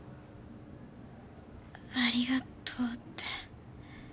ありがとうって。